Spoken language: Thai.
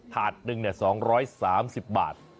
ถาดหนึ่ง๒๓๐บาท